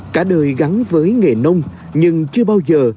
cả đời gắn với nghề nông nhưng chưa bao giờ